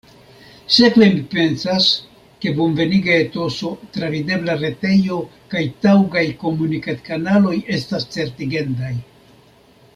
Sekve mi pensas ke bonveniga etoso, travidebla retejo kaj taŭgaj komunikadkanaloj estas certigendaj.